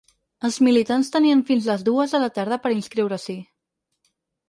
Els militants tenien fins les dues de la tarda per a inscriure-s’hi.